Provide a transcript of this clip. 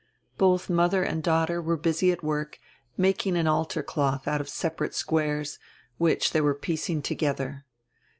Both mother and daughter were busy at work, making an altar cloth out of separate squares, which diey were piecing together.